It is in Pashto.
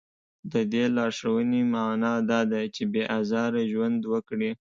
د دې لارښوونې معنا دا ده چې بې ازاره ژوند وکړي.